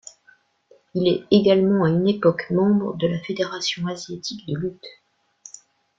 Il est également à une époque membre de la fédération asiatique de lutte.